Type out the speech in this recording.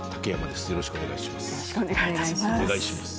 よろしくお願いします。